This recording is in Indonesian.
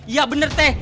iya bener teh